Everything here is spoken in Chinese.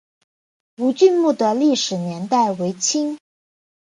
吴郡墓的历史年代为清。